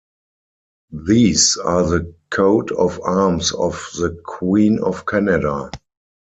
These are the coat of arms of the Queen of Canada.